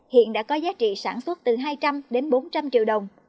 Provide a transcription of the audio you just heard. hiện đã có giá trị sản xuất từ hai trăm linh đến bốn trăm linh triệu đồng